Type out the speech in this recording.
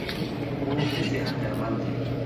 خوب د ذهن درمل دی